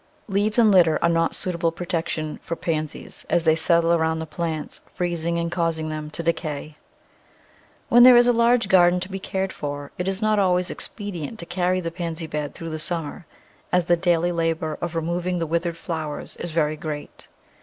Leaves and litter are not suitable protection for Pan sies, as they settle around the plants, freezing and causing them to decay. When there is a large garden to be cared for it is not always expedient to carry the Pansy bed through the summer, as the daily labour of removing the with ered flowers is very great.